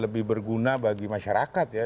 lebih berguna bagi masyarakat ya